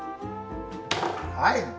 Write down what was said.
はい！